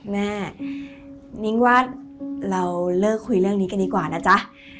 แม่นิ้งว่าเราเลิกคุยเรื่องนี้กันดีกว่านะจ๊ะ